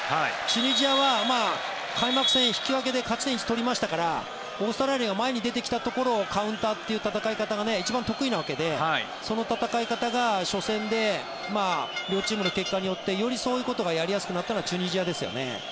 チュニジアは開幕戦引き分けで勝ち点１を取りましたからオーストラリアが前に出てきたところをカウンターという戦い方が一番得意なわけでその戦い方が初戦で両チームの結果によってよりそういうことがやりやすくなったのはチュニジアですよね。